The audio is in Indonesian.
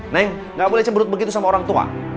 neng nggak boleh cemberut begitu sama orang tua